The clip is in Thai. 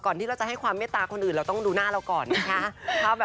ที่เราจะให้ความเมตตาคนอื่นเราต้องดูหน้าเราก่อนนะคะ